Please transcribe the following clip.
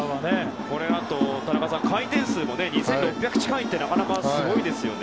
これは田中さん回転数も２６００近いってすごいですよね。